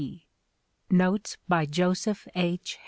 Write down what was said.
C. Notes by Joseph H.